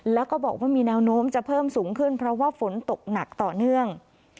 แล้วก็บอกว่ามีแนวโน้มจะเพิ่มสูงขึ้นเพราะว่าฝนตกหนักต่อเนื่อง